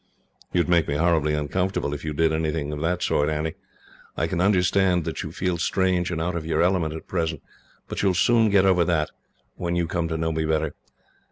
"You would make me horribly uncomfortable, if you did anything of the sort, Annie. I can understand that you feel strange and out of your element, at present, but you will soon get over that, when you come to know me better.